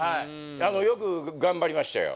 あのよく頑張りましたよ